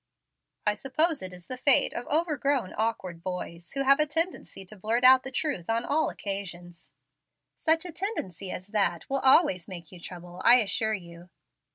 "I suppose it is the fate of overgrown, awkward boys, who have a tendency to blurt out the truth on all occasions." "Such a tendency as that will always make you trouble, I assure you."